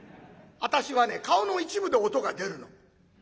私はね顔の一部で音が出るの。